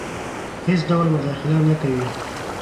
هیڅ ډول مداخله نه کوي.